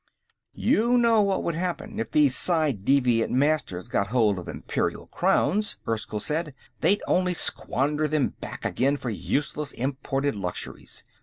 "You know what would happen if these ci devant Masters got hold of Imperial crowns," Erskyll said. "They'd only squander them back again for useless imported luxuries.